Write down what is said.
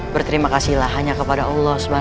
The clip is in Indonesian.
berterima kasihlah hanya kepada allah swt